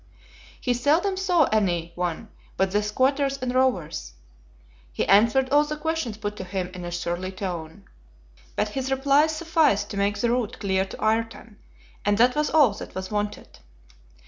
He seldom saw any one but the squatters and rovers. He answered all the questions put to him in a surly tone. But his replies sufficed to make the route clear to Ayrton, and that was all that was wanted.